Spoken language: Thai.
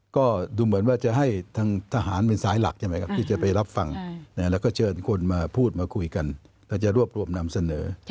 ก็ดูเหมือนว่าจะให้ทางทหารเป็นสายหลักใช่ไหมครับที่จะไปรับฟังแล้วก็เชิญคนมาพูดมาคุยกันก็จะรวบรวมนำเสนอ